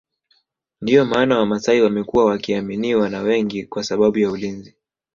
Ndio maana wamasai wamekuwa wakiaminiwa na wengi kwa sababu ya ulinzi